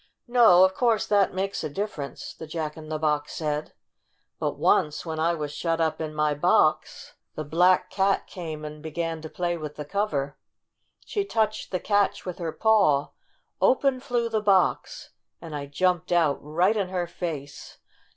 "No, of course that makes a difference," the Jack in the Box said. "But once, when I was shut up in my box, the black 82 STORY OF A SAWDUST DOLL cat came and began to play with the cover. She touched the catch with her paw, open flew the box, and I jumped out right in her face